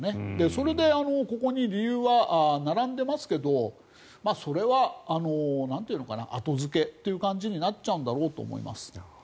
それでここに理由は並んでいますけどそれは後付けという感じになっちゃうんだろうと思います。